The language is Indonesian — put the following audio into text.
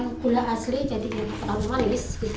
jadi nggak terlalu manis